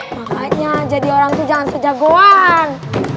makanya jadi orang tuh jangan kejagoan